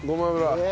ねえ。